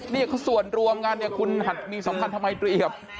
นี่เขาส่วนรวมกันคุณมีสำคัญทำไมเตรียม